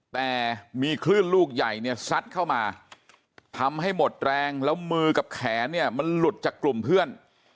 แต่มีคลื่นลูกใหญ่เนี่ยซัดเข้ามาทำให้หมดแรงแล้วมือกับแขนเนี่ยมันหลุดจากกลุ่มเพื่อน